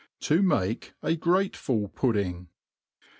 To make a GraiefuUPudding.